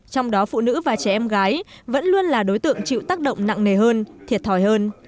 trong đó phụ nữ và trẻ em gái vẫn luôn là đối tượng chịu tác động nặng nề hơn thiệt thòi hơn